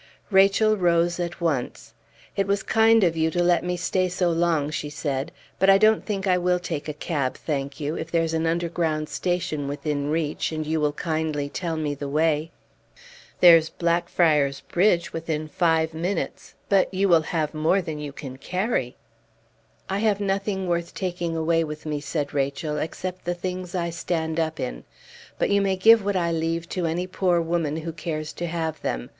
Rachel rose at once. "It was kind of you to let me stay so long," she said. "But I don't think I will take a cab, thank you, if there's an underground station within reach, and you will kindly tell me the way." "There's Blackfriars Bridge within five minutes. But you will have more than you can carry " "I have nothing worth taking away with me," said Rachel, "except the things I stand up in; but you may give what I leave to any poor woman who cares to have them.